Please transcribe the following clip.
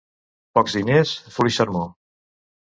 Pocs diners, fluix sermó.